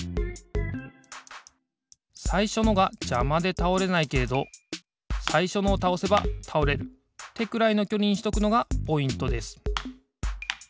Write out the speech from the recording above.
さいしょのがじゃまでたおれないけれどさいしょのをたおせばたおれるってくらいのきょりにしとくのがポイントです。